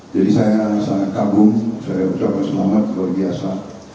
jadi saya sangat kagum saya ucapkan selamat luar biasa